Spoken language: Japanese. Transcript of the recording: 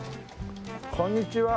こんにちは。